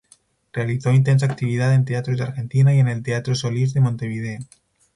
Realizó intensa actividad en teatros de Argentina y en el Teatro Solís de Montevideo.